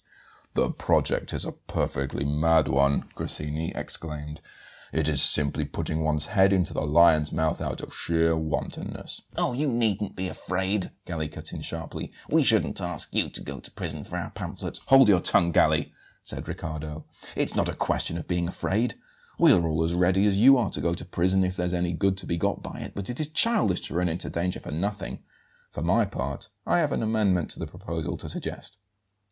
"The project is a perfectly mad one," Grassini exclaimed. "It is simply putting one's head into the lion's mouth out of sheer wantonness." "Oh, you needn't be afraid!" Galli cut in sharply; "we shouldn't ask you to go to prison for our pamphlets." "Hold your tongue, Galli!" said Riccardo. "It's not a question of being afraid; we're all as ready as you are to go to prison if there's any good to be got by it, but it is childish to run into danger for nothing. For my part, I have an amendment to the proposal to suggest."